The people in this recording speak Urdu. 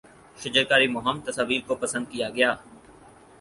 شجرکاری مہم تصاویر کو پسند کیا گیا